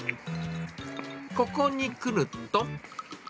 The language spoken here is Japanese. ここに来ると。